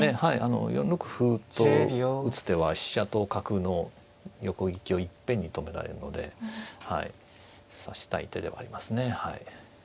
４六歩と打つ手は飛車と角の横利きをいっぺんに止められるので指したい手ではありますね。